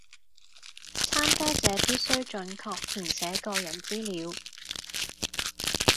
參加者必須準確填寫個人資料